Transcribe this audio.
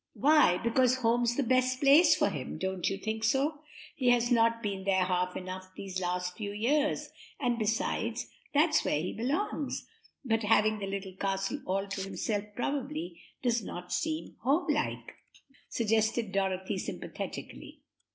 "Why, because home's the best place for him; don't you think so? He has not been there half enough these last few years, and, besides, that's where he belongs " "But having the Little Castle all to himself probably does not seem home like," suggested Dorothy sympathetically.